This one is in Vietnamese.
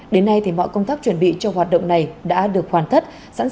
đến nay mọi công tác chuẩn bị cho hoạt động này đã được hoàn tất